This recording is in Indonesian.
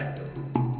eh si ken